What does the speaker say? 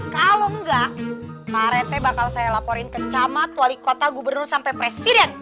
kalau enggak pak rete bakal saya laporin ke camat wali kota gubernur sampai presiden